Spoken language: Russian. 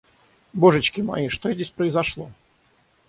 Божечки мои, что здесь произошло?